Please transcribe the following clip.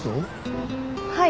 はい。